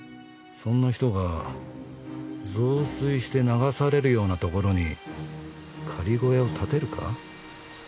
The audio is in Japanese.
そんな人が増水して流されるようなところに仮小屋を建てるか？